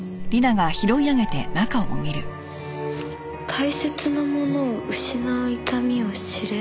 「大切な者を失う痛みを知れ」？